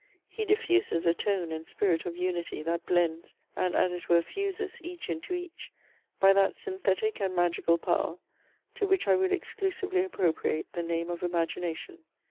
He diffuses a tone and spirit of unity, that blends, and (as it were) fuses, each into each, by that synthetic and magical power, to which I would exclusively appropriate the name of Imagination.